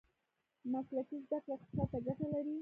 مسلکي زده کړې اقتصاد ته ګټه لري.